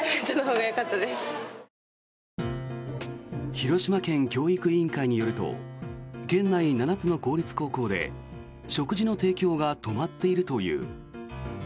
広島県教育委員会によると県内７つの公立高校で食事の提供が止まっているという。